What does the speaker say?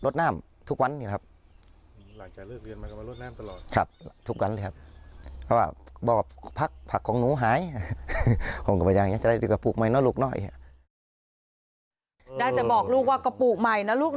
ได้แต่บอกลูกว่าก็ปลูกใหม่นะลูกเนาะนะฮะ